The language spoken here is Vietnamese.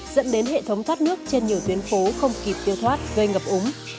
dẫn đến hệ thống thoát nước trên nhiều tuyến phố không kịp tiêu thoát gây ngập úng